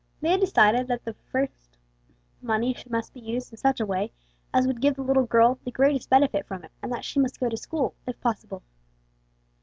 They had decided that the money must be used in such a way as would give the little girl the greatest benefit from it, and that she must go to school, if possible.